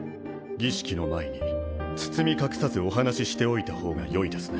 儀式の前に包み隠さずお話ししておいた方がよいですね。